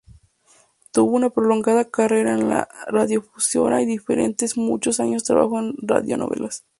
Tuvo una prolongada carrera en la radiodifusión y durante muchos años trabajó en radionovelas.